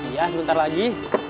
iya sebentar lagi